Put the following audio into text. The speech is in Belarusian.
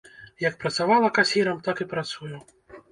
Як працавала касірам, так і працую.